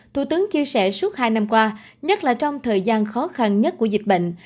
thủ tướng chia sẻ suốt hai năm qua nhất là trong thời gian khó khăn nhất của dịch bệnh